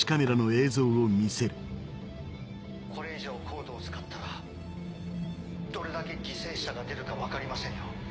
これ以上ＣＯＤＥを使ったらどれだけ犠牲者が出るか分かりませんよ。